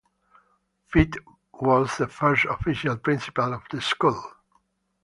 Fite was the first official principal of the school.